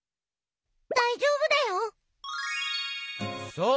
そう！